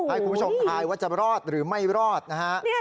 ให้คุณผู้ชมทายว่าจะรอดหรือไม่รอดนะฮะ